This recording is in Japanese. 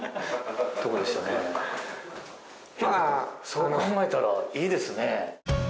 そう考えたらいいですね。